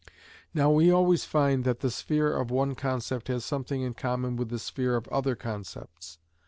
Now we always find that the sphere of one concept has something in common with the sphere of other concepts.